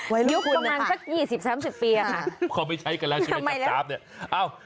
ไว้รู้คุณนะครับค่ะค่ะค่อยไม่ใช้กันแล้วใช่ไหมจับเนี่ยเอ้า